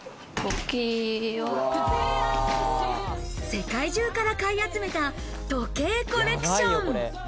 世界中から買い集めた時計コレクション。